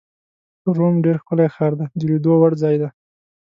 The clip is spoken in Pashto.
روم ډېر ښکلی ښار دی، د لیدو وړ ځای دی.